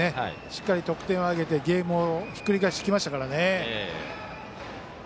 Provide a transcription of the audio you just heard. しっかり得点を挙げてゲームをひっくり返してきましたから。